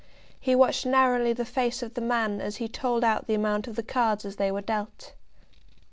He watched narrowly the face of the man as he told out the amount of the cards as they were dealt.